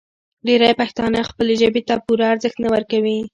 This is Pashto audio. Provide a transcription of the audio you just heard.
ډېری پښتانه خپلې ژبې ته پوره ارزښت نه ورکوي.